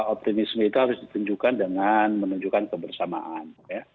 optimisme itu harus ditunjukkan dengan menunjukkan kebersamaan